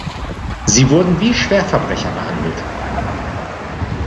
Sie wurden wie Schwerverbrecher behandelt.